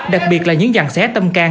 đặc biệt là những dàn xé tâm can